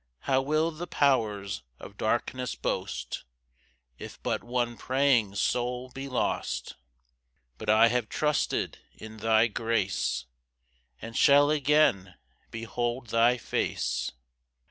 5 How will the powers of darkness boast, If but one praying soul be lost! But I have trusted in thy grace, And shall again behold thy face.